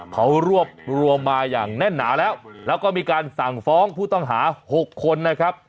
เขารวบรวมมาอย่างแน่นหนาแล้วแล้วก็มีการสั่งฟ้องผู้ต้องหา๖คนนะครับ